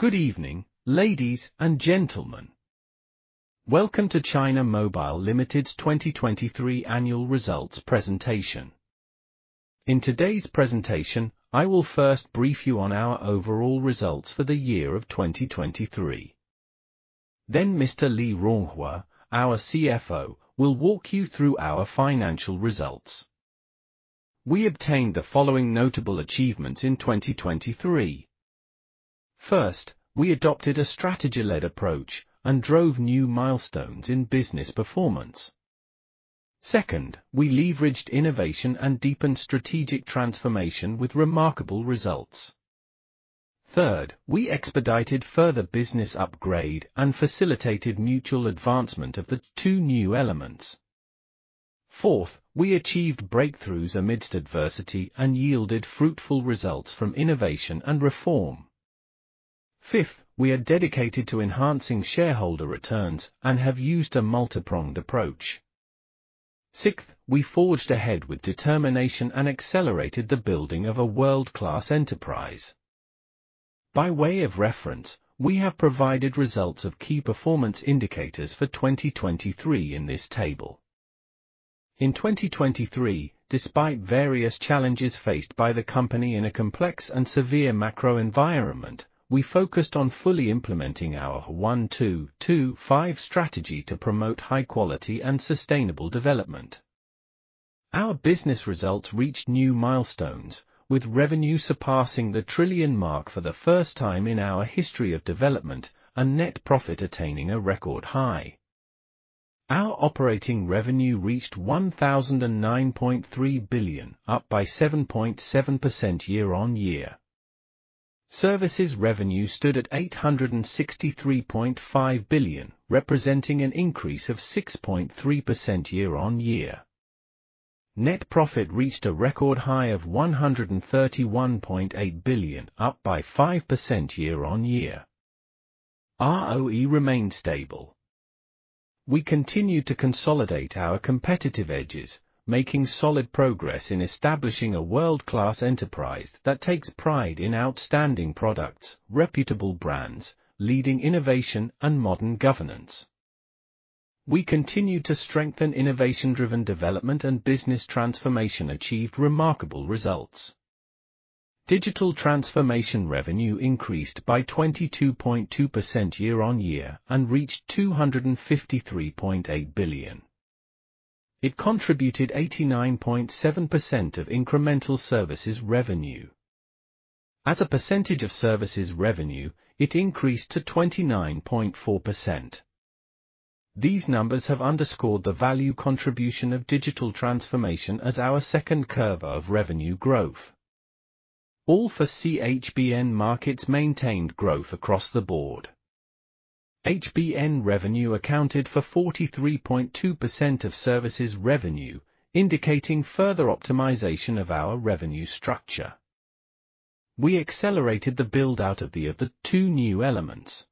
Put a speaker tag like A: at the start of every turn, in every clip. A: Good evening, ladies and gentlemen. Welcome to China Mobile Limited's 2023 annual results presentation. In today's presentation, I will first brief you on our overall results for the year of 2023. Then Mr. Li Ronghua, our CFO, will walk you through our financial results. We obtained the following notable achievements in 2023. First, we adopted a strategy-led approach and drove new milestones in business performance. Second, we leveraged innovation and deepened strategic transformation with remarkable results. Third, we expedited further business upgrade and facilitated mutual advancement of the two new elements. Fourth, we achieved breakthroughs amidst adversity and yielded fruitful results from innovation and reform. Fifth, we are dedicated to enhancing shareholder returns and have used a multipronged approach. Sixth, we forged ahead with determination and accelerated the building of a world-class enterprise. By way of reference, we have provided results of key performance indicators for 2023 in this table. In 2023, despite various challenges faced by the company in a complex and severe macro environment, we focused on fully implementing our "1-2-2-5" strategy to promote high quality and sustainable development. Our business results reached new milestones, with revenue surpassing the 1 trillion mark for the first time in our history of development and net profit attaining a record high. Our operating revenue reached 1,009.3 billion, up by 7.7% year-on-year. Services revenue stood at 863.5 billion, representing an increase of 6.3% year-on-year. Net profit reached a record high of 131.8 billion, up by 5% year-on-year. ROE remained stable. We continued to consolidate our competitive edges, making solid progress in establishing a world-class enterprise that takes pride in outstanding products, reputable brands, leading innovation, and modern governance. We continued to strengthen innovation-driven development, and business transformation achieved remarkable results. Digital transformation revenue increased by 22.2% year-on-year and reached CNY 253.8 billion. It contributed 89.7% of incremental services revenue. As a percentage of services revenue, it increased to 29.4%. These numbers have underscored the value contribution of digital transformation as our second curve of revenue growth. All four CHBN markets maintained growth across the board. HBN revenue accounted for 43.2% of services revenue, indicating further optimization of our revenue structure. We accelerated the build-out of the two new elements,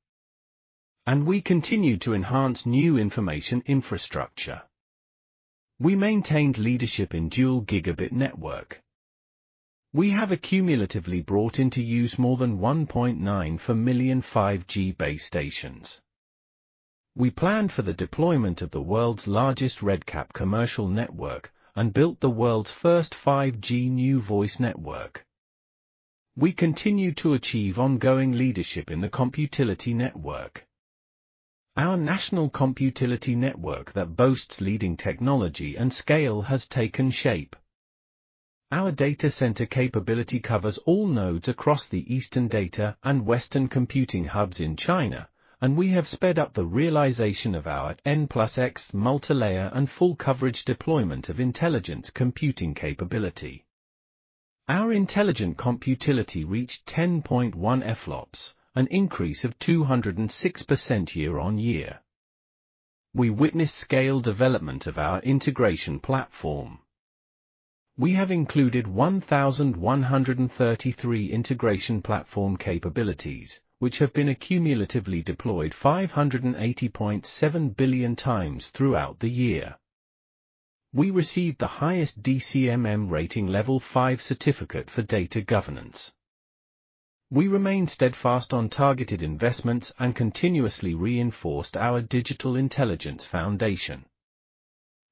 A: and we continued to enhance new information infrastructure. We maintained leadership in Dual Gigabit Network. We have accumulatively brought into use more than 1.94 million 5G base stations. We planned for the deployment of the world's largest RedCap commercial network and built the world's first 5G New Voice network. We continue to achieve ongoing leadership in the Computility Network. Our national Computility Network that boasts leading technology and scale has taken shape. Our data center capability covers all nodes across the Eastern Data and Western Computing hubs in China, and we have sped up the realization of our N+X multilayer and full coverage deployment of intelligent computing capability. Our intelligent computility reached 10.1 EFLOPS, an increase of 206% year-on-year. We witnessed scale development of our integration platform. We have included 1,133 integration platform capabilities, which have been accumulatively deployed 580.7 billion times throughout the year. We received the highest DCMM rating level 5 certificate for data governance. We remain steadfast on targeted investments and continuously reinforced our digital intelligence foundation.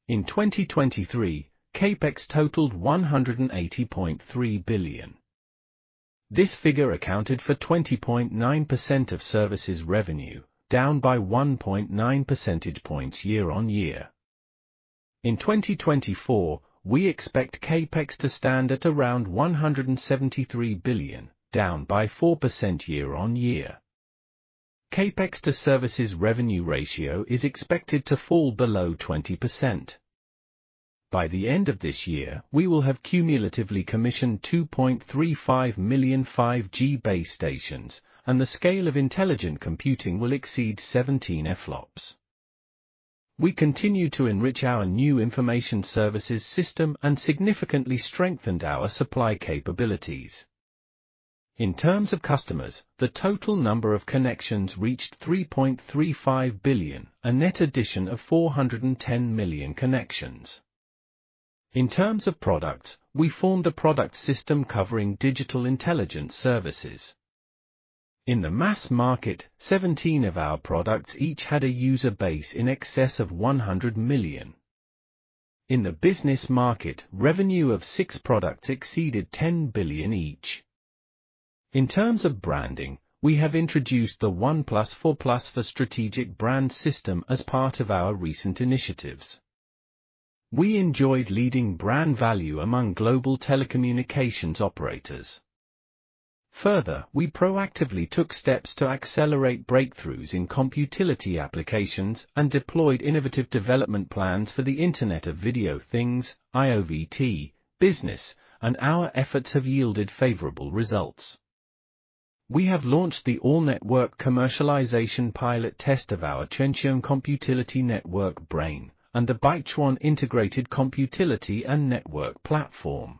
A: In 2023, CapEx totaled 180.3 billion. This figure accounted for 20.9% of services revenue, down by 1.9 percentage points year-on-year. In 2024, we expect CapEx to stand at around 173 billion, down by 4% year-on-year. CapEx to services revenue ratio is expected to fall below 20%. By the end of this year, we will have cumulatively commissioned 2.35 million 5G base stations, and the scale of intelligent computing will exceed 17 EFLOPS. We continue to enrich our new information services system and significantly strengthened our supply capabilities. In terms of customers, the total number of connections reached 3.35 billion, a net addition of 410 million connections. In terms of products, we formed a product system covering digital intelligence services. In the mass market, 17 of our products each had a user base in excess of 100 million. In the business market, revenue of 6 products exceeded 10 billion each. In terms of branding, we have introduced the 1+4+4 Strategic Brand System as part of our recent initiatives. We enjoyed leading brand value among global telecommunications operators. Further, we proactively took steps to accelerate breakthroughs in Computility applications and deployed innovative development plans for the Internet of Video Things, IoVT, business, and our efforts have yielded favorable results. We have launched the All-Network commercialization pilot test of our Tianqiong Computility Network Brain and the Baichuan Integrated Computility and Network Platform.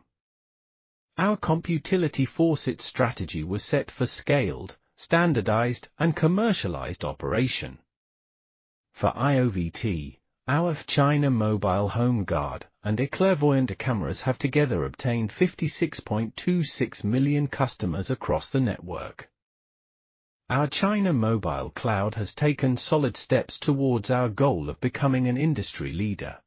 A: Our Computility Force Strategy was set for scaled, standardized, and commercialized operation. For IoVT, our China Mobile Home Guard and Clairvoyant Cameras have together obtained 56.26 million customers across the network. Our China Mobile Cloud has taken solid steps towards our goal of becoming an industry leader.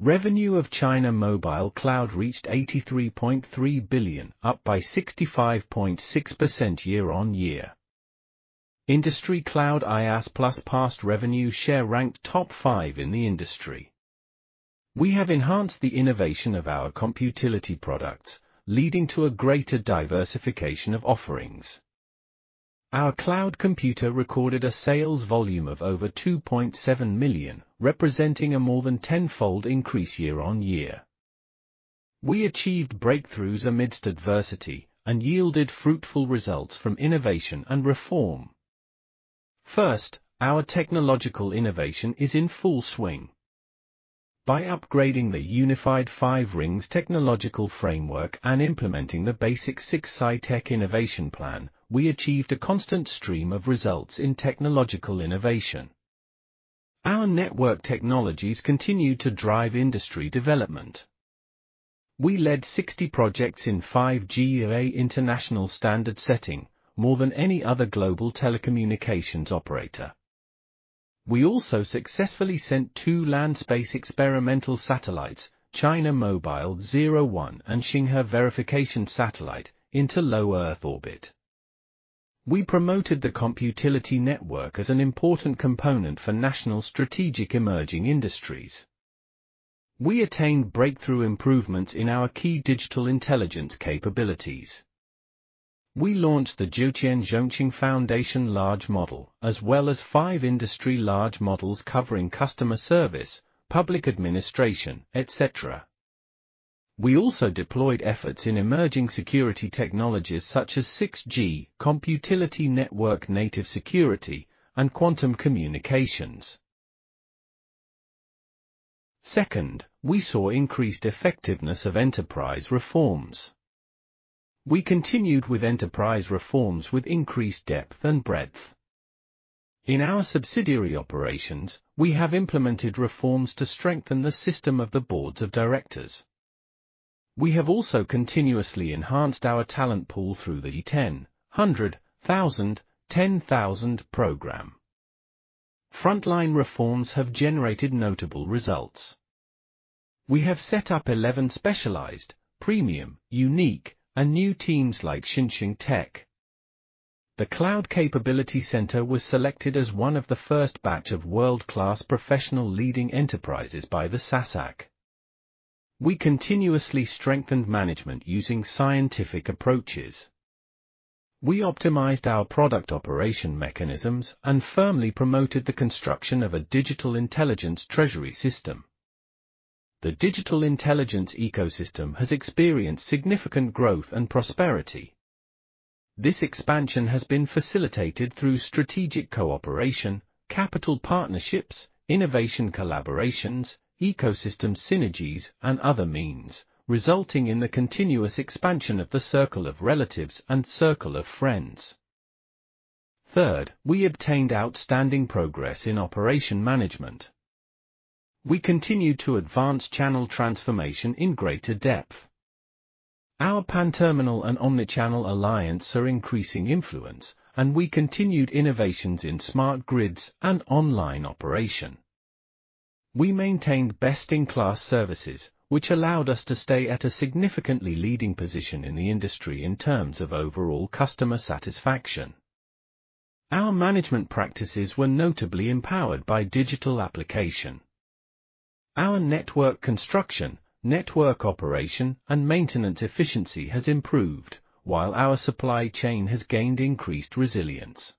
A: Revenue of China Mobile Cloud reached 83.3 billion, up by 65.6% year-on-year. Industry Cloud IaaS-PaaS revenue share ranked top five in the industry. We have enhanced the innovation of our computility products, leading to a greater diversification of offerings. Our cloud computer recorded a sales volume of over 2.7 million, representing a more than tenfold increase year-on-year. We achieved breakthroughs amidst adversity and yielded fruitful results from innovation and reform. First, our technological innovation is in full swing. By upgrading the Unified Five-Ring technological framework and implementing the BASIC6 Sci-Tech Innovation Plan, we achieved a constant stream of results in technological innovation. Our network technologies continued to drive industry development. We led 60 projects in 5G and AI international standard setting, more than any other global telecommunications operator. We also successfully sent two land-space experimental satellites, China Mobile 01, and Xinghe Verification Satellite into low Earth orbit. We promoted the Computility Network as an important component for national strategic emerging industries. We attained breakthrough improvements in our key digital intelligence capabilities. We launched the Jiutian Zhongqing Foundation Large Model, as well as five industry large models covering customer service, public administration, et cetera. We also deployed efforts in emerging security technologies such as 6G, Computility Network, native security, and quantum communications. Second, we saw increased effectiveness of enterprise reforms. We continued with enterprise reforms with increased depth and breadth. In our subsidiary operations, we have implemented reforms to strengthen the system of the boards of directors. We have also continuously enhanced our talent pool through the 10, 100, 1,000, 10,000 program. Frontline reforms have generated notable results. We have set up 11 specialized, premium, unique, and new teams like Xinsheng Tech. The Cloud Capability Center was selected as one of the first batch of world-class professional leading enterprises by the SASAC. We continuously strengthened management using scientific approaches. We optimized our product operation mechanisms and firmly promoted the construction of a digital intelligence treasury system. The digital intelligence ecosystem has experienced significant growth and prosperity. This expansion has been facilitated through strategic cooperation, capital partnerships, innovation collaborations, ecosystem synergies, and other means, resulting in the continuous expansion of the circle of relatives and circle of friends. Third, we obtained outstanding progress in operation management. We continued to advance channel transformation in greater depth. Our Pan-Terminal and Omni-Channel Alliance are increasing influence, and we continued innovations in smart grids and online operation. We maintained best-in-class services, which allowed us to stay at a significantly leading position in the industry in terms of overall customer satisfaction. Our management practices were notably empowered by digital application. Our network construction, network operation, and maintenance efficiency has improved, while our supply chain has gained increased resilience.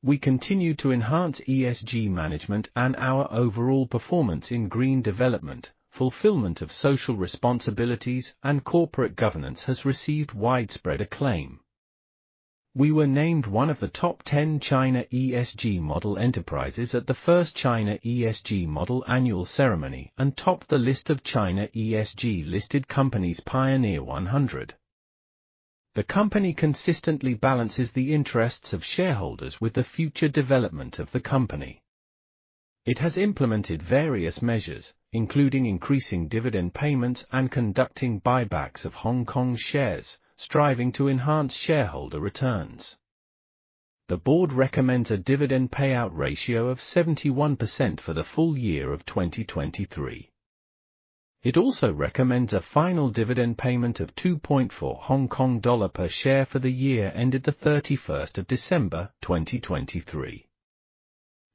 A: We continued to enhance ESG management and our overall performance in green development, fulfillment of social responsibilities, and corporate governance has received widespread acclaim. We were named one of the top 10 China ESG model enterprises at the first China ESG Model Annual Ceremony and topped the list of China ESG Listed Companies Pioneer 100. The company consistently balances the interests of shareholders with the future development of the company. It has implemented various measures, including increasing dividend payments and conducting buybacks of Hong Kong shares, striving to enhance shareholder returns. The board recommends a dividend payout ratio of 71% for the full year of 2023. It also recommends a final dividend payment of 2.4 Hong Kong dollar per share for the year ended the thirty-first of December, 2023.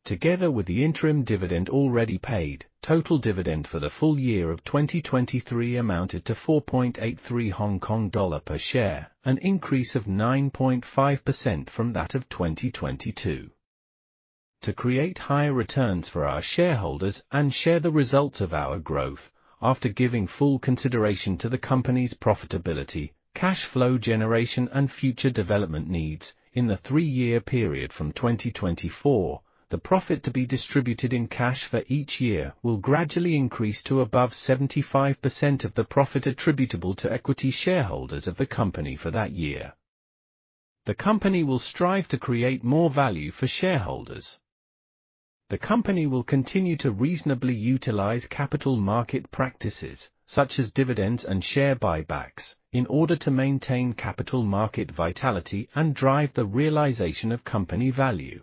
A: Together with the interim dividend already paid, total dividend for the full year of 2023 amounted to 4.83 Hong Kong dollar per share, an increase of 9.5% from that of 2022. To create higher returns for our shareholders and share the results of our growth, after giving full consideration to the company's profitability, cash flow generation, and future development needs in the three-year period from 2024, the profit to be distributed in cash for each year will gradually increase to above 75% of the profit attributable to equity shareholders of the company for that year. The company will strive to create more value for shareholders. The company will continue to reasonably utilize capital market practices, such as dividends and share buybacks, in order to maintain capital market vitality and drive the realization of company value.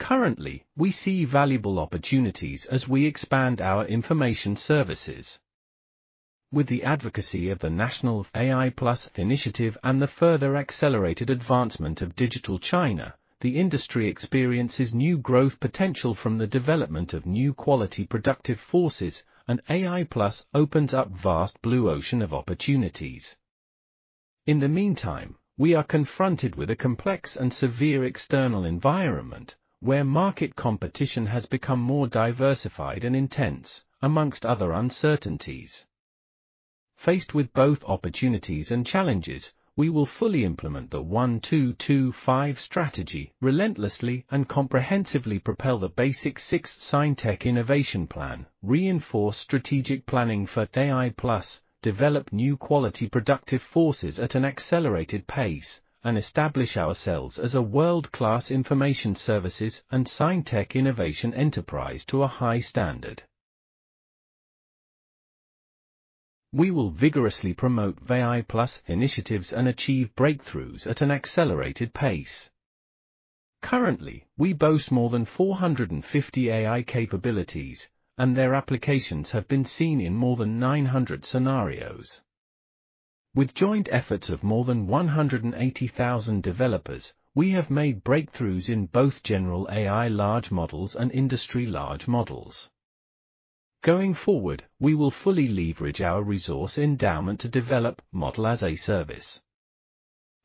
A: Currently, we see valuable opportunities as we expand our information services. With the advocacy of the national AI+ initiative and the further accelerated advancement of Digital China, the industry experiences new growth potential from the development of new quality productive forces, and AI+ opens up vast blue ocean of opportunities. In the meantime, we are confronted with a complex and severe external environment, where market competition has become more diversified and intense, among other uncertainties. Faced with both opportunities and challenges, we will fully implement the 1-2-2-5 Strategy, relentlessly and comprehensively propel the Basic Six Sci-Tech Innovation Plan, reinforce strategic planning for AI+, develop new quality productive forces at an accelerated pace, and establish ourselves as a world-class information services and Sci-Tech innovation enterprise to a high standard. We will vigorously promote AI+ initiatives and achieve breakthroughs at an accelerated pace. Currently, we boast more than 450 AI capabilities, and their applications have been seen in more than 900 scenarios. With joint efforts of more than 180,000 developers, we have made breakthroughs in both general AI large models and industry large models. Going forward, we will fully leverage our resource endowment to develop Model as a Service.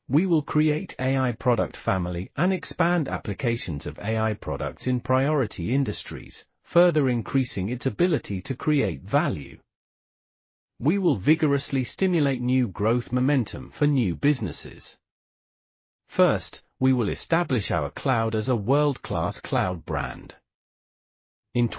A: We will create AI product family and expand applications of AI products in priority industries, further increasing its ability to create value. We will vigorously stimulate new growth momentum for new businesses. First, we will establish our cloud as a world-class cloud brand. In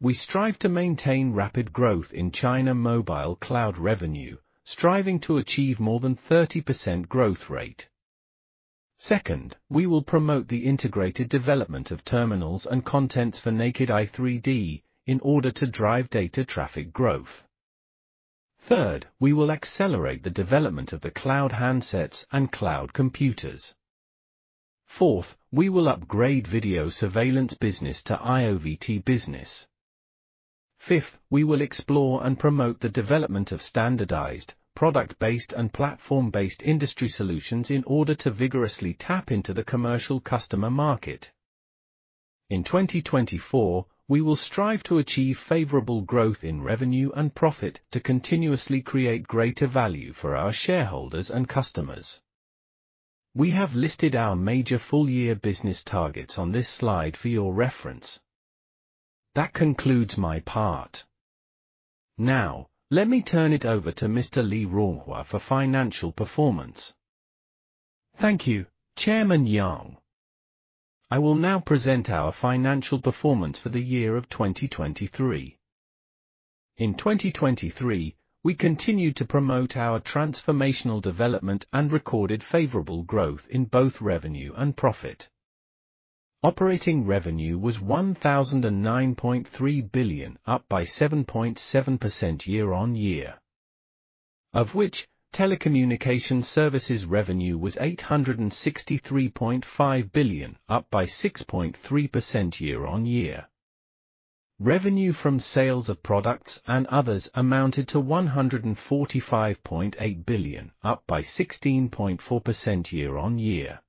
A: 2024, we strive to maintain rapid growth in China Mobile Cloud revenue, striving to achieve more than 30% growth rate. Second, we will promote the integrated development of terminals and contents for naked-eye 3D in order to drive data traffic growth. Third, we will accelerate the development of the cloud handsets and cloud computers. Fourth, we will upgrade video surveillance business to IoVT business. Fifth, we will explore and promote the development of standardized, product-based, and platform-based industry solutions in order to vigorously tap into the commercial customer market. In 2024, we will strive to achieve favorable growth in revenue and profit to continuously create greater value for our shareholders and customers. We have listed our major full-year business targets on this slide for your reference. That concludes my part. Now, let me turn it over to Mr. Li Ronghua for financial performance.
B: Thank you, Chairman Yang. I will now present our financial performance for the year of 2023. In 2023, we continued to promote our transformational development and recorded favorable growth in both revenue and profit. Operating revenue was 1,009.3 billion, up by 7.7% year-on-year, of which telecommunication services revenue was CNY 863.5 billion, up by 6.3% year-on-year. Revenue from sales of products and others amounted to 145.8 billion, up by 16.4% year-on-year.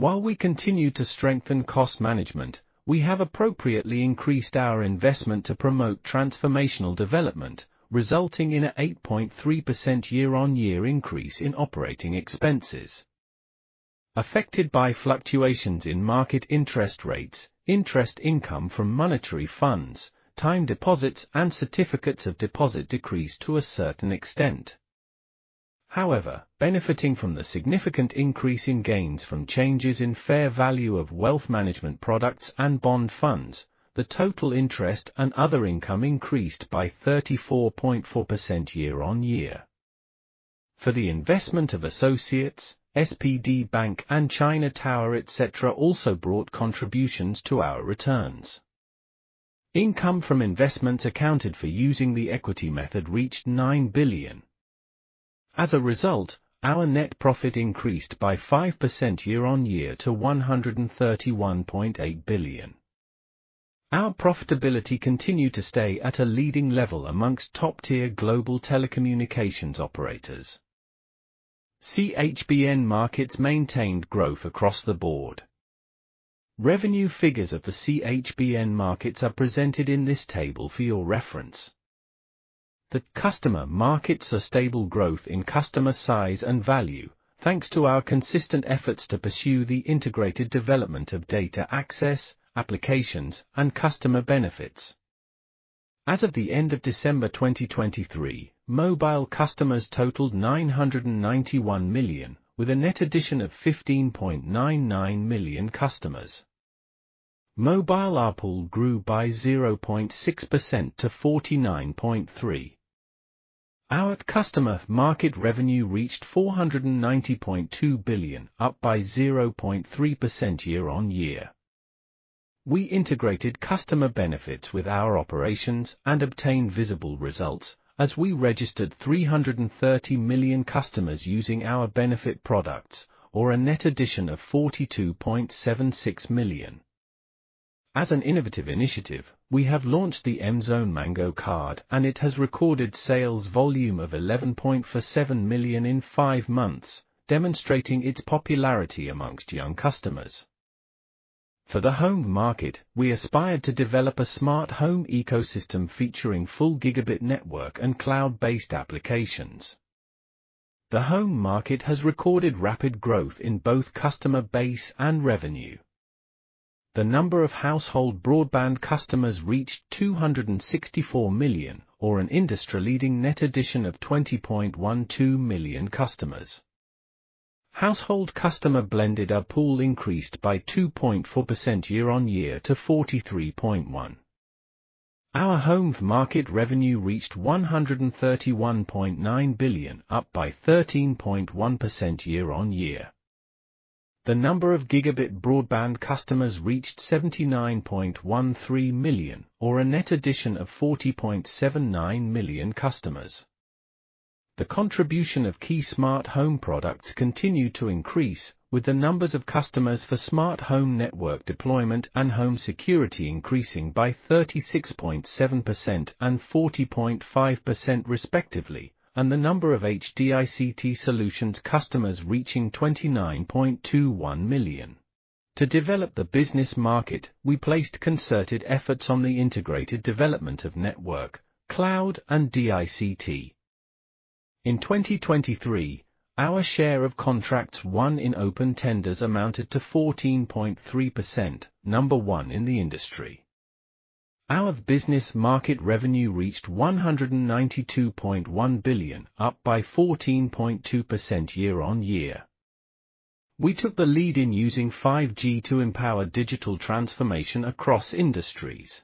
B: While we continued to strengthen cost management, we have appropriately increased our investment to promote transformational development, resulting in an 8.3% year-on-year increase in operating expenses. Affected by fluctuations in market interest rates, interest income from monetary funds, time deposits, and certificates of deposit decreased to a certain extent... However, benefiting from the significant increase in gains from changes in fair value of wealth management products and bond funds, the total interest and other income increased by 34.4% year-on-year. For the investment of associates, SPD Bank and China Tower, etc., also brought contributions to our returns. Income from investments accounted for using the equity method reached 9 billion. As a result, our net profit increased by 5% year-on-year to 131.8 billion. Our profitability continued to stay at a leading level amongst top-tier global telecommunications operators. CHBN markets maintained growth across the board. Revenue figures of the CHBN markets are presented in this table for your reference. The customer markets are stable growth in customer size and value, thanks to our consistent efforts to pursue the integrated development of data access, applications, and customer benefits. As of the end of December 2023, mobile customers totaled 991 million, with a net addition of 15.99 million customers. Mobile ARPU grew by 0.6% to 49.3. Our customer market revenue reached 490.2 billion, up by 0.3% year-on-year. We integrated customer benefits with our operations and obtained visible results, as we registered 330 million customers using our benefit products, or a net addition of 42.76 million. As an innovative initiative, we have launched the M-Zone Mango Card, and it has recorded sales volume of 11.47 million in five months, demonstrating its popularity among young customers. For the home market, we aspired to develop a smart home ecosystem featuring full gigabit network and cloud-based applications. The home market has recorded rapid growth in both customer base and revenue. The number of household broadband customers reached 264 million, or an industry-leading net addition of 20.12 million customers. Household customer blended ARPU increased by 2.4% year-on-year to 43.1. Our home market revenue reached 131.9 billion, up by 13.1% year-on-year. The number of gigabit broadband customers reached 79.13 million, or a net addition of 40.79 million customers. The contribution of key smart home products continued to increase, with the numbers of customers for smart home network deployment and home security increasing by 36.7% and 40.5% respectively, and the number of HDICT solutions customers reaching 29.21 million. To develop the business market, we placed concerted efforts on the integrated development of network, cloud, and DICT. In 2023, our share of contracts won in open tenders amounted to 14.3%, number one in the industry. Our business market revenue reached 192.1 billion, up by 14.2% year-over-year. We took the lead in using 5G to empower digital transformation across industries.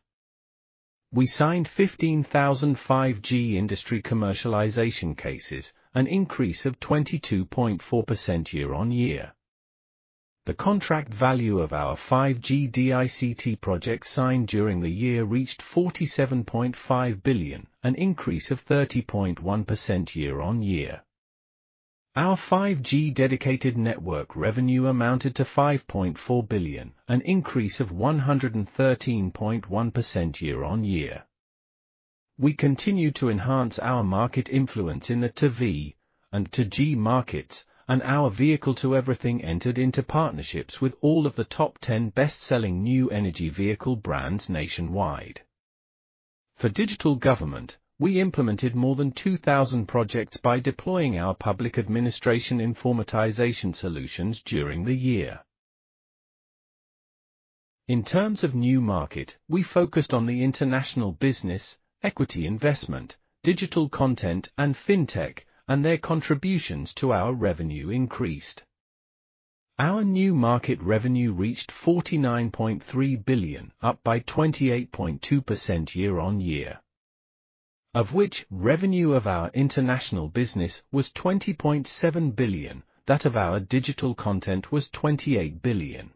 B: We signed 15,000 5G industry commercialization cases, an increase of 22.4% year-over-year. The contract value of our 5G DICT projects signed during the year reached 47.5 billion, an increase of 30.1% year-over-year. Our 5G dedicated network revenue amounted to 5.4 billion, an increase of 113.1% year-over-year. We continued to enhance our market influence in the To B and To G markets, and our Vehicle-to-Everything entered into partnerships with all of the top ten best-selling new energy vehicle brands nationwide. For digital government, we implemented more than 2,000 projects by deploying our public administration informatization solutions during the year. In terms of new market, we focused on the international business, equity investment, digital content, and fintech, and their contributions to our revenue increased. Our new market revenue reached 49.3 billion, up by 28.2% year-on-year, of which revenue of our international business was 20.7 billion. That of our digital content was 28 billion.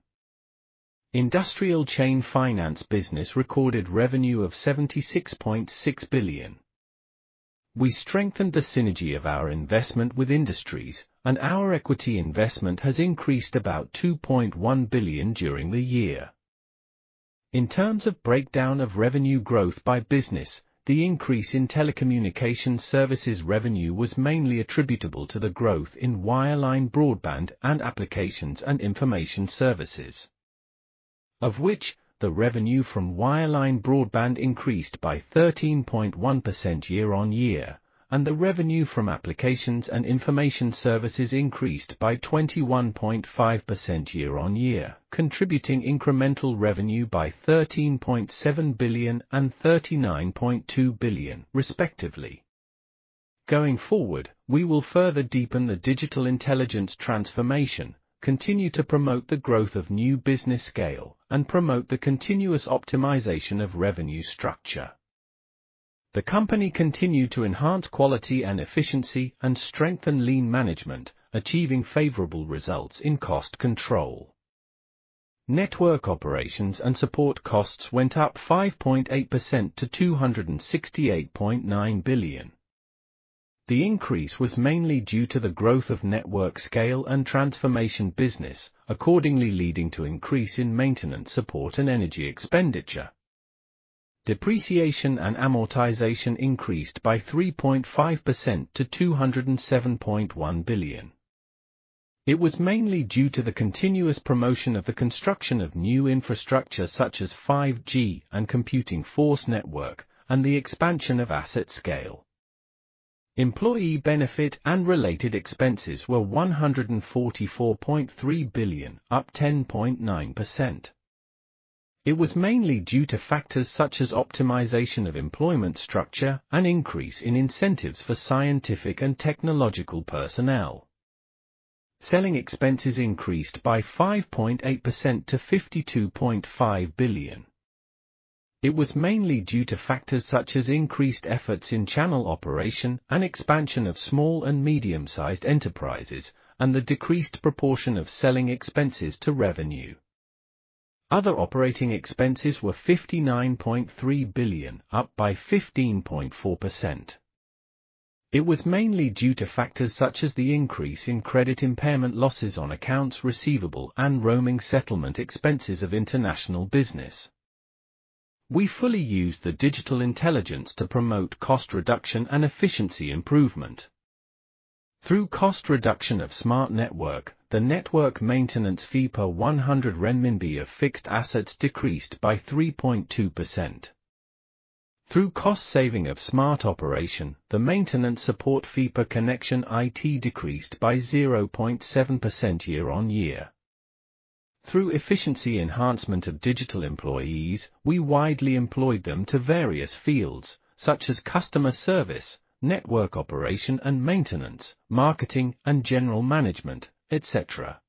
B: Industrial chain finance business recorded revenue of 76.6 billion. We strengthened the synergy of our investment with industries, and our equity investment has increased about 2.1 billion during the year. In terms of breakdown of revenue growth by business, the increase in telecommunications services revenue was mainly attributable to the growth in wireline broadband and applications and information services. Of which, the revenue from wireline broadband increased by 13.1% year-on-year, and the revenue from applications and information services increased by 21.5% year-on-year, contributing incremental revenue by 13.7 billion and 39.2 billion, respectively.... Going forward, we will further deepen the digital intelligence transformation, continue to promote the growth of new business scale, and promote the continuous optimization of revenue structure. The company continued to enhance quality and efficiency and strengthen lean management, achieving favorable results in cost control. Network operations and support costs went up 5.8% to 268.9 billion. The increase was mainly due to the growth of network scale and transformation business, accordingly leading to increase in maintenance, support, and energy expenditure. Depreciation and amortization increased by 3.5% to 207.1 billion. It was mainly due to the continuous promotion of the construction of new infrastructure, such as 5G and Computility Network, and the expansion of asset scale. Employee benefit and related expenses were 144.3 billion, up 10.9%. It was mainly due to factors such as optimization of employment structure and increase in incentives for scientific and technological personnel. Selling expenses increased by 5.8% to 52.5 billion. It was mainly due to factors such as increased efforts in channel operation and expansion of small and medium-sized enterprises, and the decreased proportion of selling expenses to revenue. Other operating expenses were 59.3 billion, up by 15.4%. It was mainly due to factors such as the increase in credit impairment losses on accounts receivable and roaming settlement expenses of international business. We fully used the digital intelligence to promote cost reduction and efficiency improvement. Through cost reduction of smart network, the network maintenance fee per 100 renminbi of fixed assets decreased by 3.2%. Through cost saving of smart operation, the maintenance support fee per connection decreased by 0.7% year-on-year. Through efficiency enhancement of digital employees, we widely employed them to various fields, such as customer service, network operation and maintenance, marketing and general management, et cetera.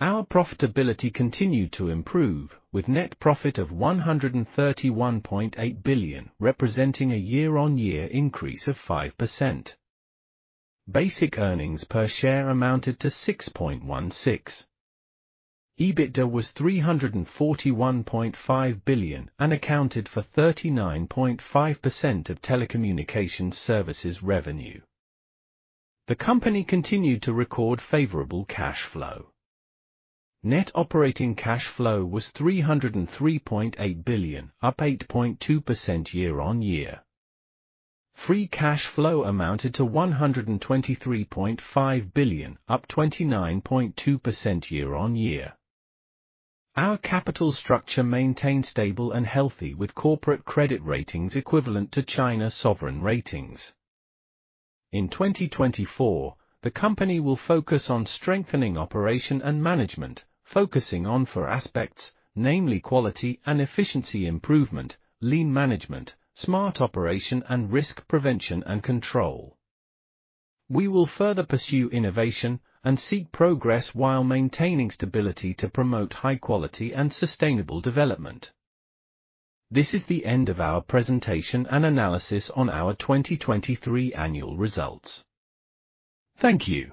B: Our profitability continued to improve, with net profit of 131.8 billion, representing a year-on-year increase of 5%. Basic earnings per share amounted to 6.16. EBITDA was 341.5 billion and accounted for 39.5% of telecommunications services revenue. The company continued to record favorable cash flow. Net operating cash flow was 303.8 billion, up 8.2% year-on-year. Free cash flow amounted to 123.5 billion, up 29.2% year-on-year. Our capital structure maintained stable and healthy with corporate credit ratings equivalent to China sovereign ratings. In 2024, the company will focus on strengthening operation and management, focusing on four aspects, namely quality and efficiency improvement, lean management, smart operation, and risk prevention and control. We will further pursue innovation and seek progress while maintaining stability to promote high quality and sustainable development. This is the end of our presentation and analysis on our 2023 annual results. Thank you!